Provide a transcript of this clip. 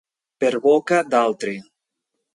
Per boca d'altri.